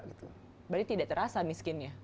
berarti tidak terasa miskinnya